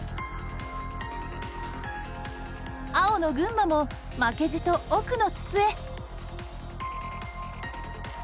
青の群馬も負けじと奥の筒へ。